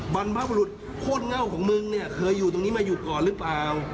บรรพบรุษโคตรเง่าของมึงเนี่ยเคยอยู่ตรงนี้มาอยู่ก่อนหรือเปล่า